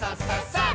さあ！